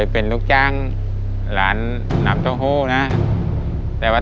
พบแล้วพบแล้ว